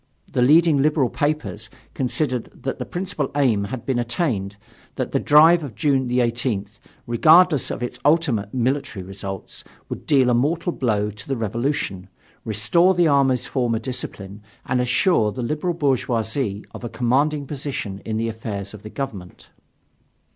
The leading liberal papers considered that the principal aim had been attained, that the drive of June 18, regardless of its ultimate military results, would deal a mortal blow to the revolution, restore the army's former discipline, and assure the liberal bourgeoisie of a commanding position in the affairs of the government.